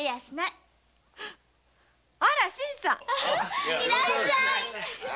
いらっしゃい。